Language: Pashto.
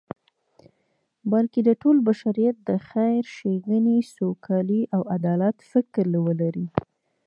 بلکی د ټول بشریت د خیر، ښیګڼی، سوکالی او عدالت فکر ولری